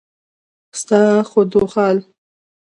ستا خدوخال